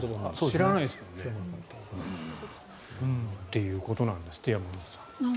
知らないですよね。ということなんですって山口さん。